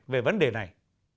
về vấn đề này